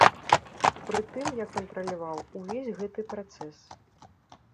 Прытым я кантраляваў увесь гэты працэс.